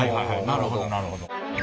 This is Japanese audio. なるほどなるほど。